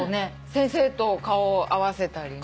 先生と顔を合わせたりね。